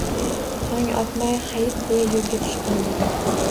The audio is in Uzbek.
Tong otmay «hayt», deya yo’lga tushdim men